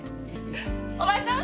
お前さん！